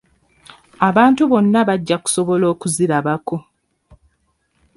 Abantu bonna bajja kusobola okuzirabako.